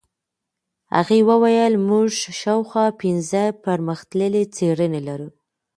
هغې وویل موږ شاوخوا پنځه پرمختللې څېړنې لرو.